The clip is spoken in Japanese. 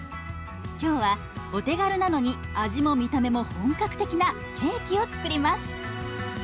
今日はお手軽なのに味も見た目も本格的なケーキを作ります。